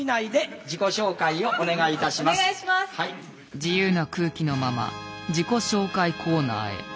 それではここで自由な空気のまま自己紹介コーナーへ。